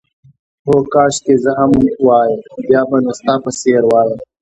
هو، کاشکې زه هم وای، بیا به نو ستا په څېر وای.